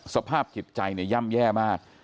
สภาพจิตใจย่ำแย่มาก